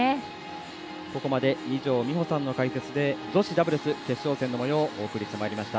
ここまで二條実穂さんの解説で女子ダブルス決勝戦の模様をお送りしてまいりました。